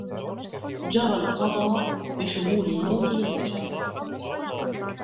جرى القضا بشمول الموت للبشر